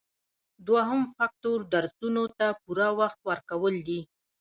دوهم فکتور درسونو ته پوره وخت ورکول دي.